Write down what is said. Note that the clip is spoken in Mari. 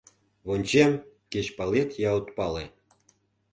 Вончем, кеч палет я от пале